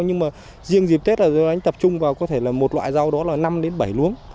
nhưng mà riêng dịp tết là tôi đánh tập trung vào có thể là một loại rau đó là năm bảy luống